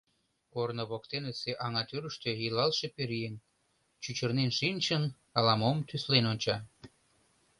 Корно воктенысе аҥа тӱрыштӧ илалше пӧръеҥ, чӱчырнен шинчын, ала-мом тӱслен онча.